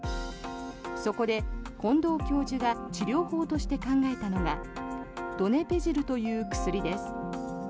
そこで、近藤教授が治療法として考えたのがドネペジルという薬です。